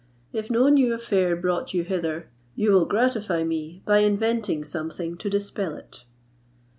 If no new affair brought you hither, you will gratify me by inventing something to dispel it."